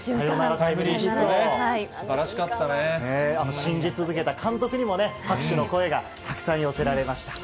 サヨナラタイムリーヒットね、信じ続けた監督にもね、拍手の声がたくさん寄せられました。